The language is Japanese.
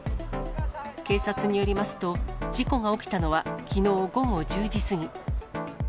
警察によりますと、事故が起きたのはきのう午後１０時過ぎ。